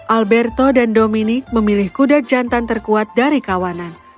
alberto dan dominic memilih kuda jantan terkuat dari kawanan